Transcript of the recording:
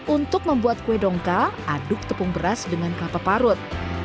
untuk membuat kue dongkal aduk tepung beras dengan kelapa parut